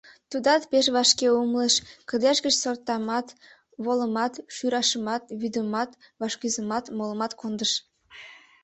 Тудат пеш вашке умылыш, кыдеж гыч сортамат, волымат, шӱрашымат, вӱдымат, вашкӱзымат, молымат кондыш.